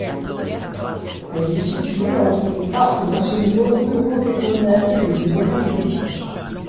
Elle est située entre les parcs nationaux Urho Kekkonen et de Lemmenjoki.